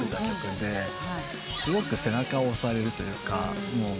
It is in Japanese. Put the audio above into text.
すごく背中を押されるというか。